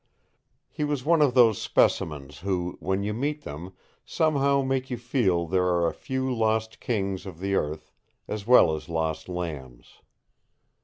He was one of those specimens who, when you meet them, somehow make you feel there are a few lost kings of the earth, as well as lost lambs.